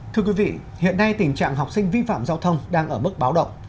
thưa quý vị hiện nay tình trạng học sinh vi phạm giao thông đang ở mức báo động